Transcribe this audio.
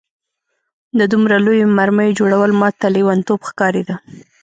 د دومره لویو مرمیو جوړول ماته لېونتوب ښکارېده